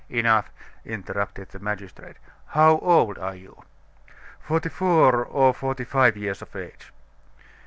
"Enough," interrupted the magistrate. "How old are you?" "Forty four or forty five years of age."